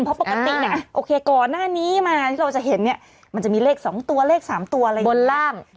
เพราะปกติโอเคก่อนหน้านี้มาที่เราจะเห็นมันจะมีเลข๒ตัวเลข๓ตัวอะไรอย่างนี้